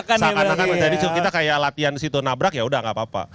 seakan akan terjadi kita kayak latihan di situ nabrak ya udah gak apa apa